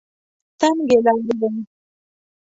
تنګې لارې وې.